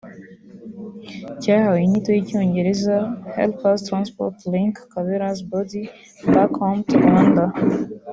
cyahawe inyito y’icyongereza “Help us transport Lynker Kabera’s body back home to Rwanda”